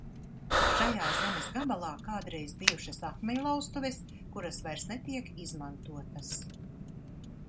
Šajā zemes gabalā kādreiz bijušas akmeņlauztuves, kuras vairs netiek izmantotas.